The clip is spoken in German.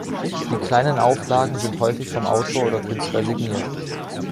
Die kleinen Auflagen sind häufig vom Autor oder Künstler signiert.